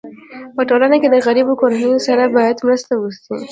په ټولنه کي د غریبو کورنيو سره باید مرسته وسي.